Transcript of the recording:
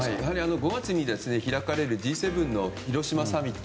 ５月に開かれるＧ７広島サミット。